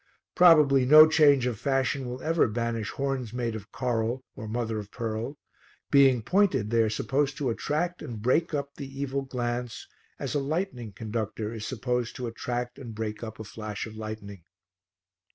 Probably no change of fashion will ever banish horns made of coral or mother of pearl; being pointed, they are supposed to attract and break up the evil glance as a lightning conductor is supposed to attract and break up a flash of lightning.